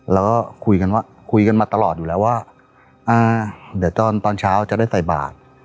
แล้วก็คุยกันว่าคุยกันมาตลอดอยู่แล้วว่าอ่าเดี๋ยวตอนเช้าจะได้ใส่บาท